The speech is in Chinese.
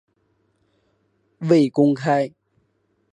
未公开